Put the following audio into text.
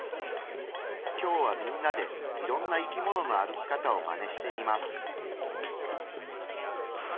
今日はみんなでいろんな生きものの歩き方をマネしてみます。